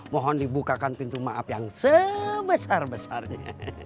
mohon dibukakan pintu maaf yang sebesar besarnya